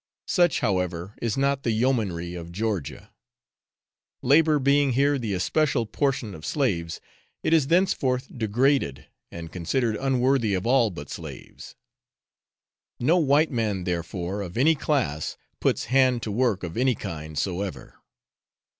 Such, however, is not the Yeomanry of Georgia. Labour being here the especial portion of slaves, it is thenceforth degraded, and considered unworthy of all but slaves. No white man, therefore, of any class puts hand to work of any kind soever.